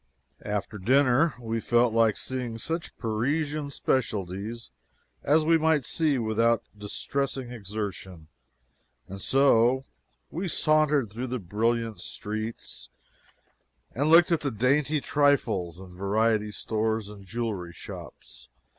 After dinner we felt like seeing such Parisian specialties as we might see without distressing exertion, and so we sauntered through the brilliant streets and looked at the dainty trifles in variety stores and jewelry shops.